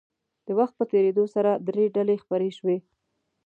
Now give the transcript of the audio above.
د وخت په تېرېدو سره درې ډلې خپرې شوې.